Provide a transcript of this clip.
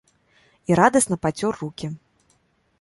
І радасна пацёр рукі.